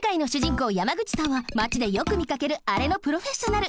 こう山口さんはマチでよくみかけるあれのプロフェッショナル。